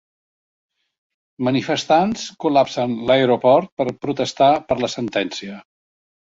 Manifestants col·lapsen l'aeroport per protestar per la sentència